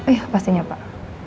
eh pastinya pak